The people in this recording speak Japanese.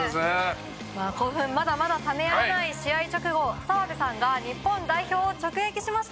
興奮まだまだ冷めやらない試合直後澤部さんが日本代表を直撃しました。